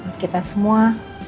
buat kita semua